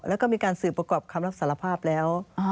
แล้วก็มีการสืบประกอบคำรับสารภาพแล้ว